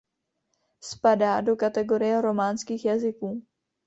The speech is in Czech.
Spadá do kategorie románských jazyků.